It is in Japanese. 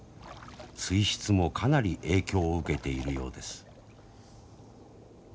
水質もかなり影響を受けているようです。